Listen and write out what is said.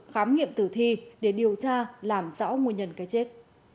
khám nghiệm tử thi để điều tra làm rõ nguyên nhân cái chết